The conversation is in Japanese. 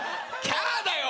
キャーだよ